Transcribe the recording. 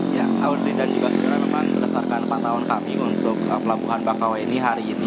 ya audrey dan juga sekalian teman teman berdasarkan empat tahun kami untuk pelabuhan bakauhoni hari ini